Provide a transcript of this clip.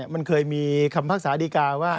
มันเคยมีคำภักษาสารดิกาว่า